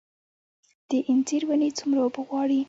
د انځر ونې څومره اوبه غواړي؟